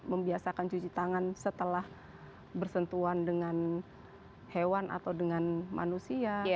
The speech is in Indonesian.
membiasakan cuci tangan setelah bersentuhan dengan hewan atau dengan manusia